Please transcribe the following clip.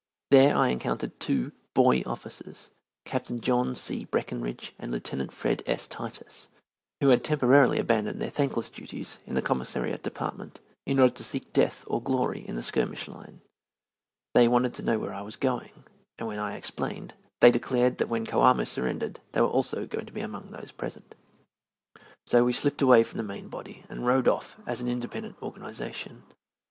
There I encountered two "boy officers," Captain John C. Breckenridge and Lieutenant Fred. S. Titus, who had temporarily abandoned their thankless duties in the Commissariat Department in order to seek death or glory in the skirmish line. They wanted to know where I was going, and when I explained, they declared that when Coamo surrendered they also were going to be among those present. So we slipped away from the main body and rode off as an independent organization.